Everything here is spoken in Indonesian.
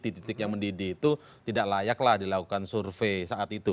di titik yang mendidih itu tidak layaklah dilakukan survei saat itu